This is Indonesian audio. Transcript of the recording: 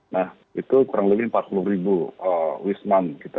nah itu kurang lebih empat puluh ribu wisman gitu